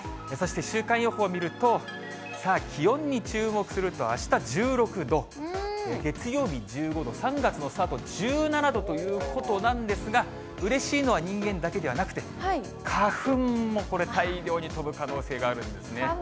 そして週間予報を見ると、さあ、気温に注目すると、あした１６度、月曜日１５度、３月のスタート、１７度ということなんですが、うれしいのは人間だけではなくて、花粉もこれ、花粉。